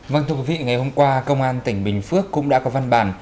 vâng thưa quý vị ngày hôm qua công an tỉnh bình phước cũng đã có văn bản